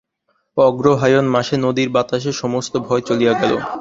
অগ্রহায়ণ মাসে নদীর বাতাসে সমস্ত ভয় চলিয়া গেল।